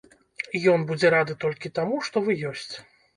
Ён будзе рады толькі таму, што вы ёсць.